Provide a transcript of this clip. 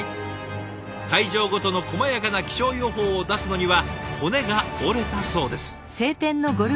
会場ごとのこまやかな気象予報を出すのには骨が折れたそうです。